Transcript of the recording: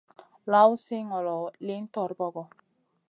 Lawn si ŋolo, lihn torbogo.